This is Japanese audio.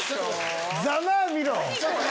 ざまあ見ろ！